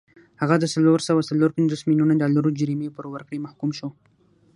هغه د څلور سوه څلور پنځوس میلیونه ډالرو جریمې پر ورکړې محکوم شو.